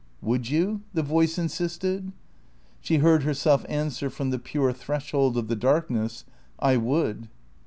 "Would you?" the voice insisted. She heard herself answer from the pure threshold of the darkness, "I would."